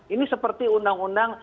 ini seperti undang undang